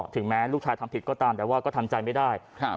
ถึงแม้ลูกชายทำผิดก็ตามแต่ว่าก็ทำใจไม่ได้ครับ